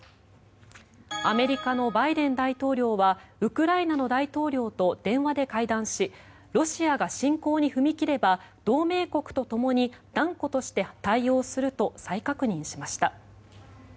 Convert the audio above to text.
アメリカのバイデン大統領はウクライナの大統領と電話で会談しロシアが侵攻に踏み切れば同盟国とともに断固として対応すると再確認しました。